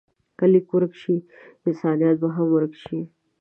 که لیک ورک شي، انسانیت به هم ورک شي.